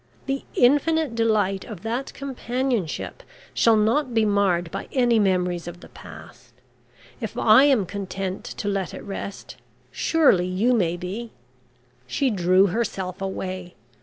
The infinite delight of that companionship shall not be marred by any memories of the past. If I am content to let it rest, surely you may be." She drew herself away.